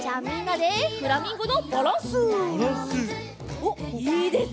おっいいですね！